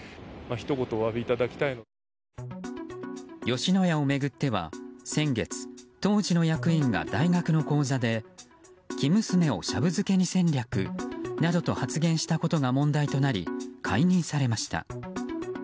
吉野家を巡っては先月、当時の役員が大学の講座で生娘をシャブ漬けに戦略などと発言したことが問題となり、解任されました。